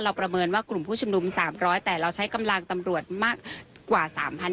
เราประเมินว่ากลุ่มผู้ชมนุมสามร้อยแต่เราใช้กำลังตำรวจมากกว่าสามพัน